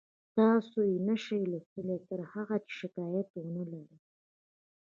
تاسو یې نشئ لوستلی تر هغه چې شکایت ونلرئ